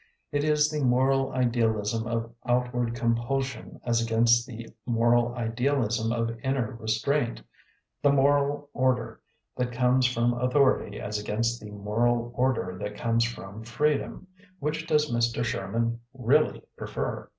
It is the moral idealism of outward compulsion as against the moral idealism of inner restraint; the moral order that comes from authority as against the moral order that comes from freedom. Which does Mr. Sherman really pre fer?